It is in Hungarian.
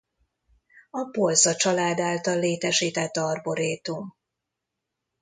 A Bolza család által létesített arborétum.